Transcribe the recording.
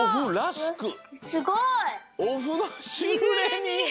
おふのしぐれに！